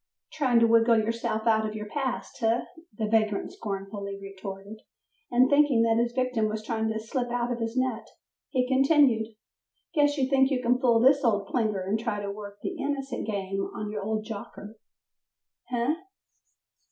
"Trying to wiggle yourself out of your past, eh?" the vagrant scornfully retorted, and thinking that his victim was trying to slip out of his net, he continued, "guess you think you can fool this old plinger and try to work the 'innocent' game on your old jocker, eh?"